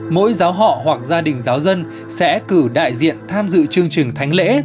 mỗi giáo họ hoặc gia đình giáo dân sẽ cử đại diện tham dự chương trình thánh lễ